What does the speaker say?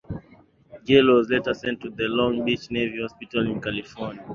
Gill was later sent to the Long Beach Navy Hospital in California.